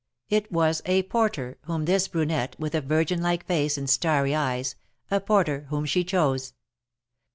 It was a Porter — whom this brunette, with a Virgin like face and starry eyes — a porter whom she chose.